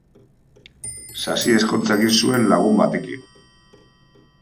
Sasi ezkontza egin zuen lagun batekin.